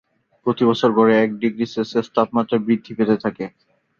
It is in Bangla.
প্রতিবছর গড়ে এক ডিগ্রী সেলসিয়াস তাপমাত্রা বৃদ্ধি পেতে থাকে।